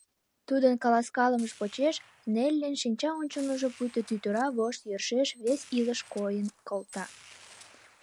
Тудын каласкалымыж почеш Неллин шинча ончылныжо пуйто тӱтыра вошт йӧршеш вес илыш койын колта.